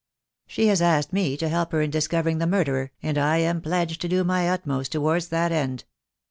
She has asked me to help her in discovering the murderer, and I am pledged to do my utmost towards that end.